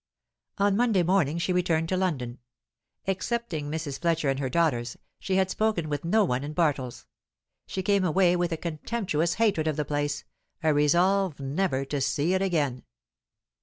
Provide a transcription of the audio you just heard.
On Monday morning she returned to London. Excepting Mrs. Fletcher and her daughters, she had spoken with no one in Bartles. She came away with a contemptuous hatred of the place a resolve never to see it again.